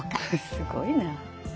すごいな。